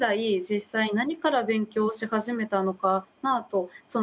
実際何から勉強し始めたのかなと。